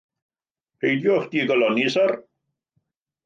Peidiwch digalonni, syr.